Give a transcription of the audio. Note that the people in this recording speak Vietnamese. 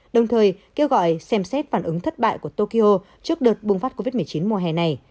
đồng thời kêu gọi xem xét phản ứng thất bại của tokyo trước đợt bùng phát covid một mươi chín mùa hè này